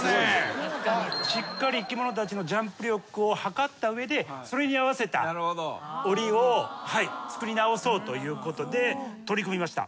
しっかり生き物たちのジャンプ力を測った上でそれに合わせたおりを作り直そうということで取り組みました。